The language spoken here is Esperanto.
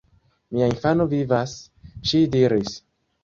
Mia infano vivas, ŝi diris.